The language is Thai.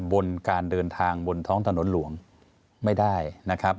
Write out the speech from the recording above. บนการเดินทางบนท้องถนนหลวงไม่ได้นะครับ